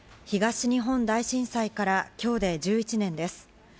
東日本大震災から今日で１１年です。